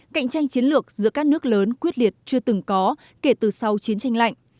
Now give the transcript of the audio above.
cạnh tranh chiến lược giữa các nước lớn quyết liệt chưa từng có kể từ sau chiến tranh lạnh